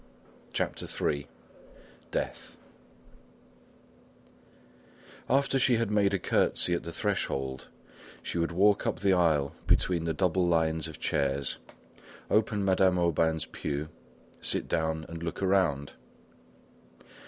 CHAPTER III DEATH After she had made a curtsey at the threshold, she would walk up the aisle between the double lines of chairs, open Madame Aubain's pew, sit down and look around.